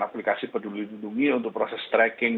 aplikasi peduli lindungi untuk proses tracking